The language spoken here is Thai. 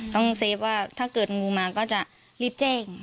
เฟฟว่าถ้าเกิดงูมาก็จะรีบแจ้ง